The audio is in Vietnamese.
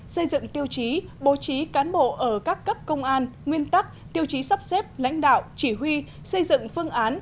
xây dựng tiêu chí bố trí cán bộ ở các cấp công an nguyên tắc tiêu chí sắp xếp lãnh đạo chỉ huy xây dựng phương án